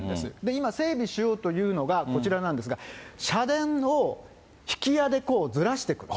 今、整備しようというのがこちらなんですが、社殿をひきやでずらしていく。